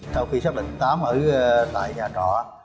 sau khi xác định trình văn tám ở tại nhà trọ